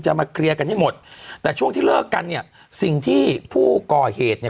มาเคลียร์กันให้หมดแต่ช่วงที่เลิกกันเนี่ยสิ่งที่ผู้ก่อเหตุเนี่ย